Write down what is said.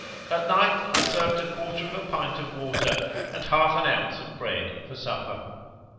At night I served a quarter of a pint of water and half an ounce of bread for supper.